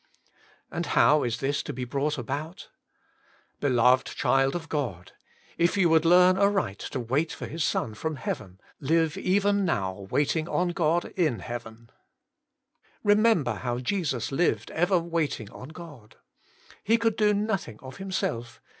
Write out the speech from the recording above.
And how is this to be brought about ? Beloved child of God ! if you would learn aright to wait for His Son from heaven, live even now waiting on God in heaven. Remember how Jesus lived evei waiting on God. He could do nothing of Himself.